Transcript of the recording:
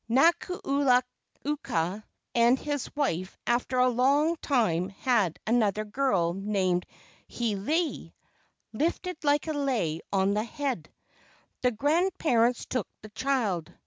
Nakula uka and his wife after a long time had another girl named Hiilei (lifted like a lei on the head). The grand¬ parents took the child.